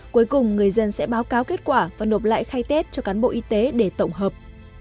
cuối cùng người dân sẽ báo cáo kết quả và nộp lại khai tết cho cán bộ y tế để tổng hợp